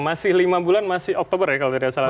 masih lima bulan masih oktober ya kalau tidak salah